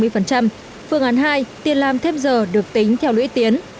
phương án hai tiền làm thêm giờ được tính theo lũy tiến